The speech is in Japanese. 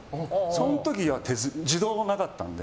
その時は自動がなかったので。